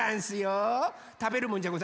たべるもんじゃござんせんよ。